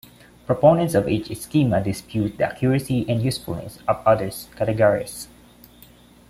Proponents of each schema dispute the accuracy and usefulness of the other's categories.